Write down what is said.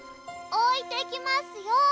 置いてきますよ！